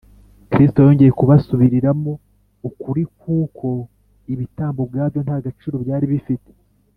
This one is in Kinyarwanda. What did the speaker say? kristo yongeye kubasubiriramo ukuri k’uko ibitambo ubwabyo nta gaciro byari bifite